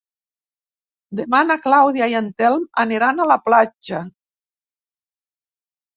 Demà na Clàudia i en Telm aniran a la platja.